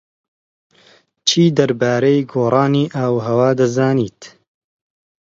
چی دەربارەی گۆڕانی ئاووهەوا دەزانیت؟